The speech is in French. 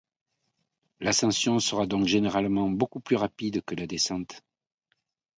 L’ascension sera donc généralement beaucoup plus rapide que la descente.